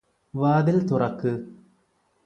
വാതിൽ തുറക്ക്